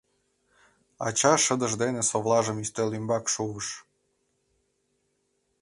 Ача шыдыж дене совлажым ӱстел ӱмбак шуыш: